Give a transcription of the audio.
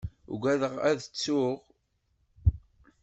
Ugadeɣ ad ttuɣ.